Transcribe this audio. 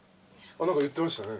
何か言ってましたね。